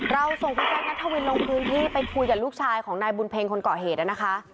เราส่งคุณแจ๊คนัทวินลงพื้นที่ไปคุยกับลูกชายของนายบุญเพ็งคนเกาะเหตุนะคะ